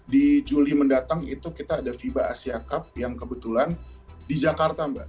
di juli mendatang itu kita ada fiba asia cup yang kebetulan di jakarta mbak